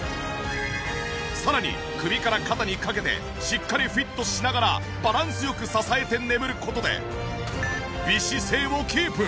さらに首から肩にかけてしっかりフィットしながらバランス良く支えて眠る事で美姿勢をキープ。